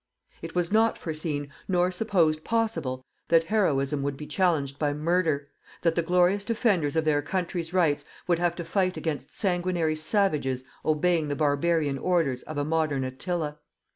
It was not foreseen, nor supposed possible, that heroism would be challenged by murder, that the glorious defenders of their country's rights would have to fight against sanguinary savages obeying the barbarian orders of a modern Attila.